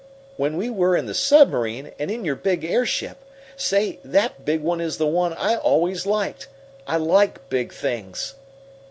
When we were in the submarine, and in your big airship. Say, that big one is the one I always liked! I like big things."